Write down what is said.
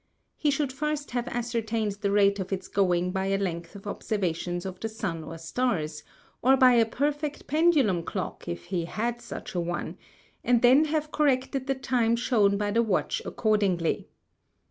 He should first have ascertained the Rate of its going by a Length of Observations of the Sun or Stars, or by a perfect Pendulum Clock if he had such a one, and then have corrected the Time shewn by the Watch accordingly.